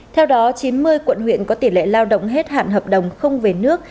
theo đó chín mươi quận huyện có tỷ lệ lao động hết hạn hợp đồng không về nước